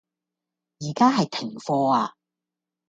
而家係停課呀